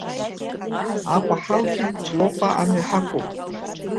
Аҟәа ҳалҵит, Ҷлоуҟа амҩа ҳақәуп.